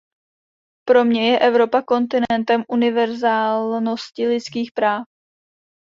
Pro mě je Evropa kontinentem univerzálnosti lidských práv.